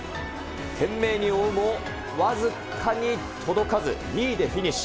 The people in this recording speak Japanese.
懸命に追うも、僅かに届かず、２位でフィニッシュ。